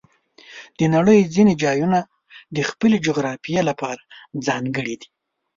د نړۍ ځینې ځایونه د خپلې جغرافیې لپاره ځانګړي دي.